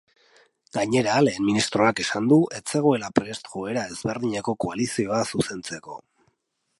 Gainera, lehen ministroak esan du ez zegoela prest joera ezberdineko koalizioa zuzentzeko.